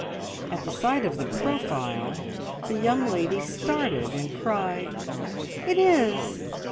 At sight of the profile the young lady started and cried, "It is!